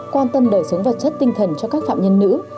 quan tâm đời sống vật chất tinh thần cho các phạm nhân nữ